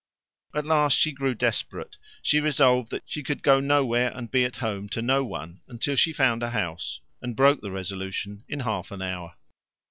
At last she grew desperate; she resolved that she would go nowhere and be at home to no one until she found a house, and broke the resolution in half an hour.